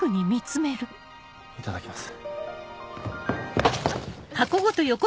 いただきます。